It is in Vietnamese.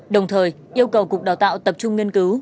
đồng thời yêu cầu cục đào tạo tập trung nghiên cứu